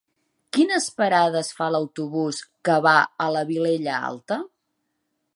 Quines parades fa l'autobús que va a la Vilella Alta?